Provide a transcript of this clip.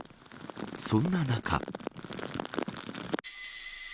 そんな中。